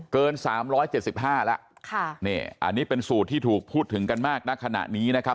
เกินสามร้อยเจ็ดสิบห้าแล้วค่ะนี่อันนี้เป็นสูตรที่ถูกพูดถึงกันมากณขณะนี้นะครับ